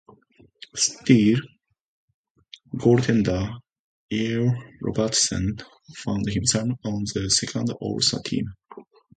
Still, goaltender Earl Robertson found himself on the second all-star team.